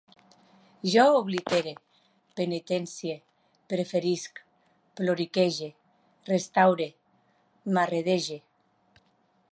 Jo oblitere, penitencie, preferisc, ploriquege, restaure, marradege